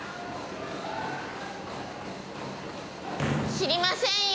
知りませんよ。